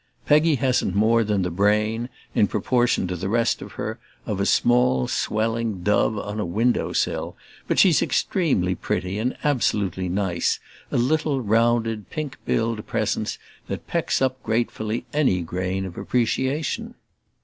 Peggy hasn't more than the brain, in proportion to the rest of her, of a small swelling dove on a window sill; but she's extremely pretty and absolutely nice, a little rounded pink billed presence that pecks up gratefully any grain of appreciation.